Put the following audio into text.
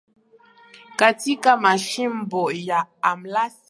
katika Machimbo ya Almasi yanayopatikanika Siberia katika